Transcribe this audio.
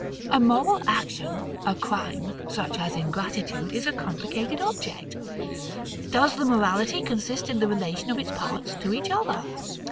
A moral action, a crime, such as ingratitude, is a complicated object. Does the morality consist in the relation of its parts to each other?